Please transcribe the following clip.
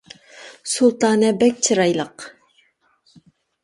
سۇلتانە بەك چىرايلىق